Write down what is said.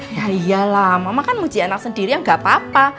ya iyalah mama kan muji anak sendiri ya nggak apa apa